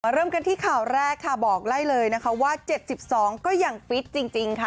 เริ่มกันที่ข่าวแรกค่ะบอกได้เลยนะคะว่า๗๒ก็ยังฟิตจริงค่ะ